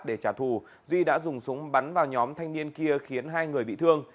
để trả thù duy đã dùng súng bắn vào nhóm thanh niên kia khiến hai người bị thương